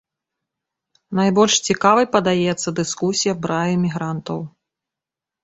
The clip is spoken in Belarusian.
Найбольш цікавай падаецца дыскусія пра эмігрантаў.